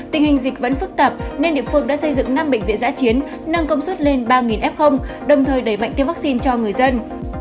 tình hình dịch vẫn phức tạp nên địa phương đã xây dựng năm bệnh viện giã chiến nâng công suất lên ba f đồng thời đẩy mạnh tiêm vaccine cho người dân